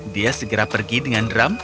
dia segera pergi dengan drum